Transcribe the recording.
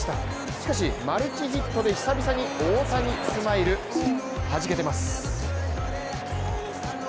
しかし、マルチヒットで久々に大谷スマイル、はじけてます。